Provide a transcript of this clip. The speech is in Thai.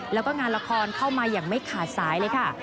แล้วก็งานละครเข้ามาอย่างไม่ขาดสายเลยค่ะ